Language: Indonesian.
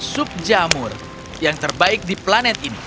sup jamur yang terbaik di planet ini